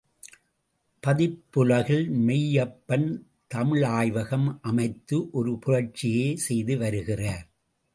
பதிப்புலகில் மெய்யப்பன் தமிழாய்வகம் அமைத்து ஒரு புரட்சியே செய்து வருகிறார்.